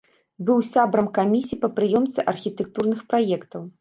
Быў сябрам камісіі па прыёмцы архітэктурных праектаў.